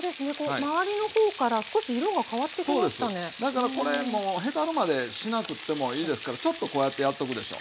だからこれもうへたるまでしなくってもいいですからちょっとこうやってやっとくでしょ。